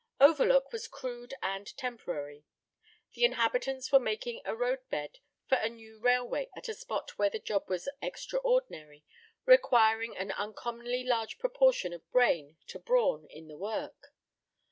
Overlook was crude and temporary. The inhabitants were making a roadbed for a new railway at a spot where the job was extraordinary, requiring an uncommonly large proportion of brain to brawn in the work.